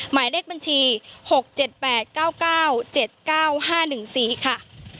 หมายเลขบัญชี๖๗๘๙๙๗๙๕๑๔ค่ะ